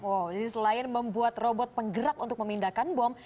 oh jadi selain membuat robot penggerak untuk memindahkan bom